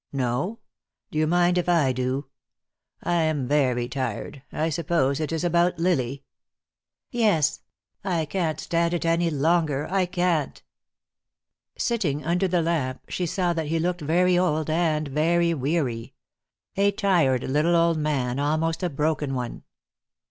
No? Do you mind if I do? I am very tired. I suppose it is about Lily?" "Yes. I can't stand it any longer. I can't." Sitting under the lamp she saw that he looked very old and very weary. A tired little old man, almost a broken one.